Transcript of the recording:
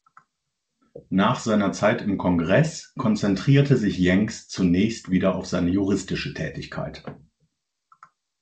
Nach seiner Zeit im Kongress konzentrierte sich Jenks zunächst wieder auf seine juristische Tätigkeit.